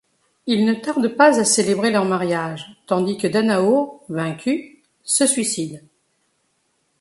Ils ne tardent pas à célébrer leur mariage, tandis que Danamo, vaincue, se suicide.